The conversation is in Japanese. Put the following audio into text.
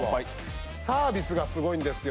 サービスがすごいんですよ